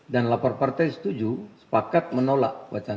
dan lapor partai setuju sepakat menolak wacana